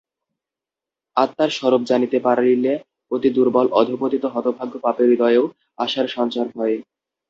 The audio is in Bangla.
আত্মার স্বরূপ জানিতে পারিলে অতি দুর্বল অধঃপতিত হতভাগ্য পাপীর হৃদয়েও আশার সঞ্চার হয়।